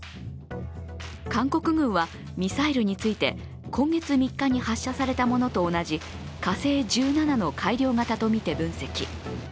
韓国軍はミサイルについて、今月３日に発射されたものと同じ火星１７の改良型とみて分析。